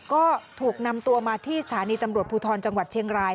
ก็ถูกนำตัวมาที่สถานีตำรวจภูทรจังหวัดเชียงราย